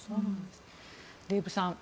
デーブさん